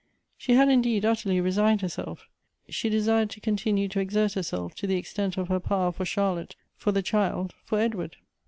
She had indeed utterly resigned herself; she desired to continue to exert herself to the extent of her power for Charlotte, for the child, for Edward.